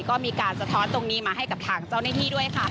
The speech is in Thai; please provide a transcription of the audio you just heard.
ก็มีการสะท้อนตรงนี้มาให้กับทางเจ้าหน้าที่ด้วยค่ะ